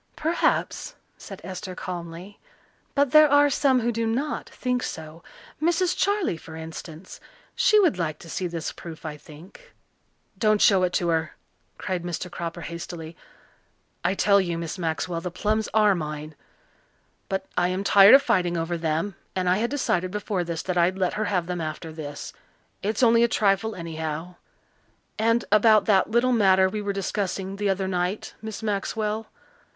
"Perhaps," said Esther calmly, "but there are some who do not think so. Mrs. Charley, for instance she would like to see this proof, I think." "Don't show it to her," cried Mr. Cropper hastily. "I tell you, Miss Maxwell, the plums are mine. But I am tired of fighting over them and I had decided before this that I'd let her have them after this. It's only a trifle, anyhow. And about that little matter we were discussing the other night, Miss Maxwell.